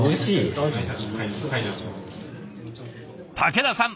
竹田さん